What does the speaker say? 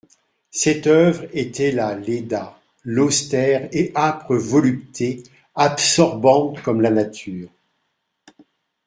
Cette oeuvre était la Léda, l'austère et âpre volupté, absorbante comme la nature.